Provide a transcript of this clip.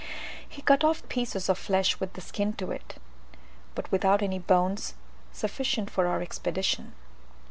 He cut off pieces of flesh with the skin to it, but without any bones, sufficient for our expedition.